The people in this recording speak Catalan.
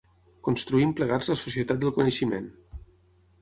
Construïm plegats la societat del coneixement.